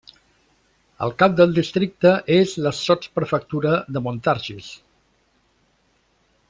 El cap del districte és la sotsprefectura de Montargis.